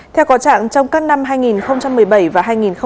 theo có trạng trong các năm hai nghìn một mươi bảy và hai nghìn một mươi bảy